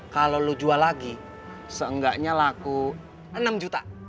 kalau lo jual lagi seenggaknya laku enam juta